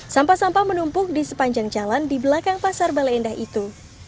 sampah sampah menumpuk di sepanjang jalan di belakang pasar bale endah itu